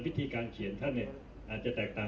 วิธีการเขียนท่านอาจจะแตกต่าง